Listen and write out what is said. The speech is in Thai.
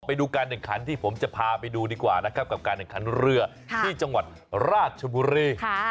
ไปดูการแข่งขันที่ผมจะพาไปดูดีกว่านะครับกับการแข่งขันเรือที่จังหวัดราชบุรี